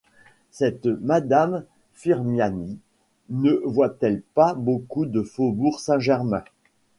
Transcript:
Cette madame Firmiani ne voit-elle pas beaucoup le faubourg Saint-Germain ?